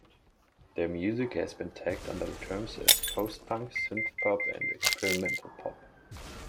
Their music has been tagged under the terms as post-punk, synthpop and experimental pop.